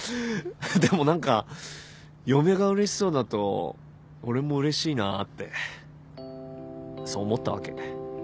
でも何か嫁がうれしそうだと俺もうれしいなぁってそう思ったわけ。